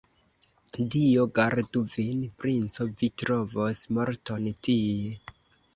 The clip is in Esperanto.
Dio gardu vin, princo, vi trovos morton tie!